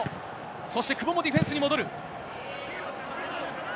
そして久保もディフェンスに戻る。